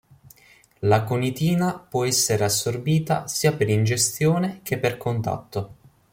L'aconitina può essere assorbita sia per ingestione che per contatto.